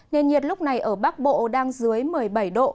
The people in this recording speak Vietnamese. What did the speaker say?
nền nhiệt lúc này ở bắc bộ đang dưới một mươi bảy độ